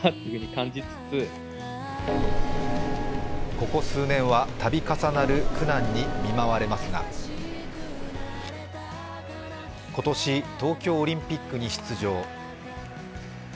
ここ数年は度重なる苦難に見舞われますが、今年、東京オリンピックに出場。